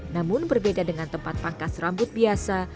namun berbeda dengan tempat pangkas rambut biasa